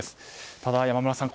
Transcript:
ただ、山村さん